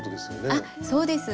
あっそうです。